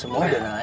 semua udah naik